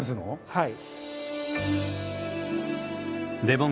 はい。